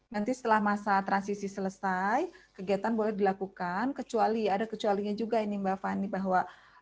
nanti setelah masa transisi selesai kegiatan boleh dilakukan kecuali ada kecualinya juga ini mbak fani bahwa